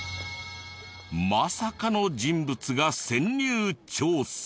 まさかの人物が潜入調査。